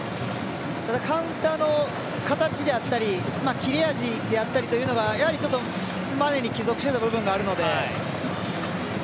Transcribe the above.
ただ、カウンターの形であったり切れ味であったりというのがマネに帰属していた部分があるので。